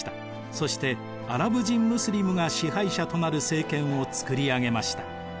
そしてアラブ人ムスリムが支配者となる政権を作り上げました。